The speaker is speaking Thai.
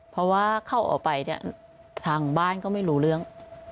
เพราะว่าเข้าออกไปเนี่ยทางบ้านก็ไม่รู้เรื่อง